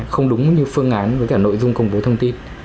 không đúng như phương án với cả nội dung công bố thông tin